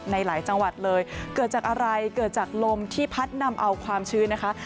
ในหลายจังหวัดเลยเกิดจากอะไรเกิดจากลมที่พัดนำเอาความชื้นนะคะ